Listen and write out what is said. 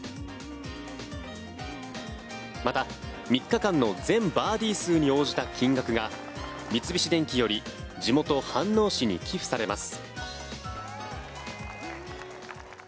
また、３日間の全バーディー数に応じた金額が三菱電機より地元・飯能市に寄付されます。